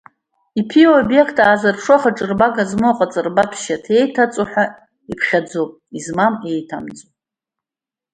Иԥиоу аобиект аазырԥшуа ахаҿырбага змоу аҟаҵарбатә шьаҭа иеиҭаҵуа ҳәа иԥхьаӡоуп, измам иеиҭамҵуа.